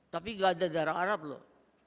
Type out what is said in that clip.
tapi gak ada jarak arab loh